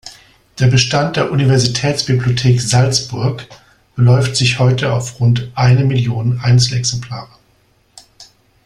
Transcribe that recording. Der Bestand der Universitätsbibliothek Salzburg beläuft sich heute auf rund eine Million Einzelexemplare.